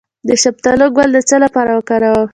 د شفتالو ګل د څه لپاره وکاروم؟